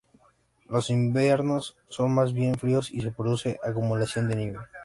Los inviernos son más bien fríos y se produce acumulación de nieve.